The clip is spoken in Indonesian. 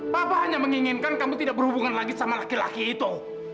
bapak hanya menginginkan kami tidak berhubungan lagi sama laki laki itu